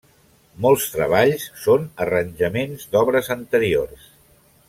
Molts treballs són arranjaments d'obres anteriors.